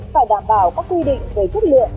phải đảm bảo các quy định về chất lượng